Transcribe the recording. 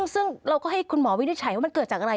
ซึ่งเราก็ให้คุณหมอวินิจฉัยว่ามันเกิดจากอะไร